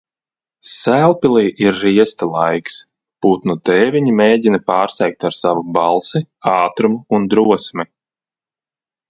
Sēlpilī ir riesta laiks. Putnu tēviņi mēģina pārsteigt ar savu balsi, ātrumu un drosmi.